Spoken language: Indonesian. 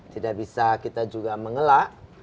tidak bisa kita juga mengelak